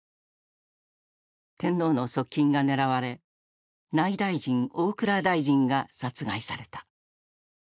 天皇の側近が狙われ内大臣大蔵大臣が殺害された。